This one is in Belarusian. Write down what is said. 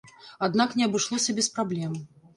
Аднак не абышлося без праблем.